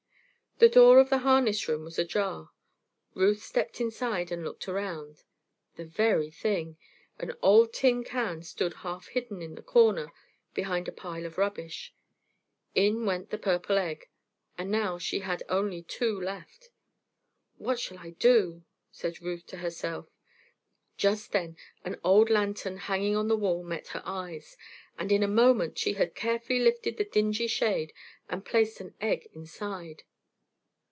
The door of the harness room was ajar. Ruth stepped inside and looked around. The very thing! An old tin can stood half hidden in the corner behind a pile of rubbish. In went the purple egg, and now she had only two left. "What shall I do?" said Ruth to herself. Just then an old lantern hanging on the wall met her eyes, and in a moment she had carefully lifted the dingy shade and placed an egg inside.